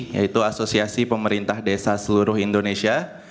yaitu asosiasi pemerintah desa seluruh indonesia